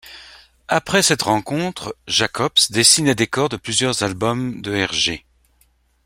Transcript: Après cette rencontre, Jacobs dessine les décors de plusieurs albums de Hergé.